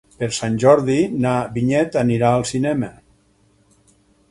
Per Sant Jordi na Vinyet anirà al cinema.